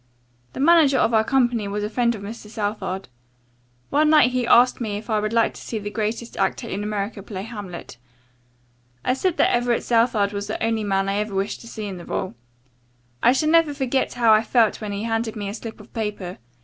The manager of our company was a friend of Mr. Southard. One night he asked me if I would like to see the greatest actor in America play 'Hamlet.' I said that Everett Southard was the only man I ever wished to see in the role. I shall never forget how I felt when he handed me a slip of paper.